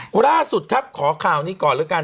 ล่าสุดครับขอข่าวนี้ก่อนแล้วกัน